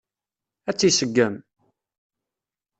Ad tt-iseggem?